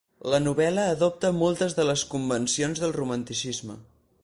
La novel·la adopta moltes de les convencions del romanticisme.